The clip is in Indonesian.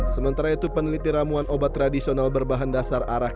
sementara itu peneliti ramuan obat tradisional berbahan dasar arak